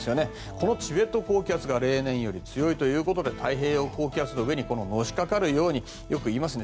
このチベット高気圧が例年より強いということで太平洋高気圧の上にのしかかるようによく言いますね